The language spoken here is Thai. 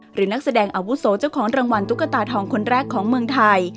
นักแสดงอาวุโสเจ้าของรางวัลตุ๊กตาทองคนแรกของเมืองไทย